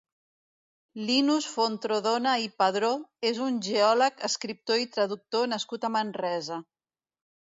Linus Fontrodona i Padró és un geòleg, escriptor i traductor nascut a Manresa.